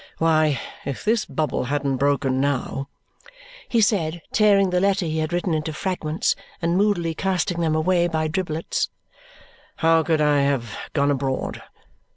Why, if this bubble hadn't broken now," he said, tearing the letter he had written into fragments and moodily casting them away, by driblets, "how could I have gone abroad?